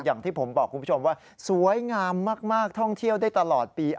อย่างที่ผมบอกคุณผู้ชมว่าสวยงามมากท่องเที่ยวได้ตลอดปี